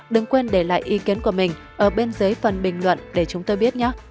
đừng quên để lại ý kiến của mình ở bên dưới phần bình luận để chúng tôi biết nhắc